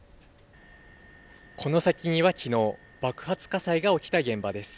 この先にはきのう爆発火災が起きた現場です。